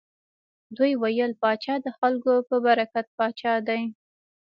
دوی ویل پاچا د خلکو په برکت پاچا دی.